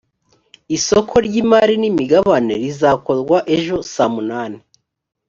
isoko ry’imari n’imigabane rizakorwa ejo sa munani